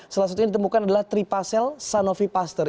salah satunya ditemukan adalah tripacel sanofi pasteur